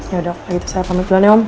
yaudah kalau gitu saya pamit dulu aja om